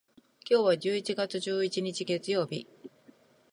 今日は十一月十一日、月曜日。